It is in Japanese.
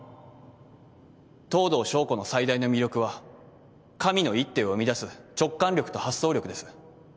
藤堂将子の最大の魅力は神の一手を生み出す直観力と発想力です。